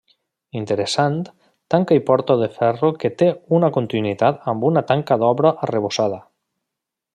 Interessant tanca i porta de ferro que té una continuïtat amb una tanca d'obra arrebossada.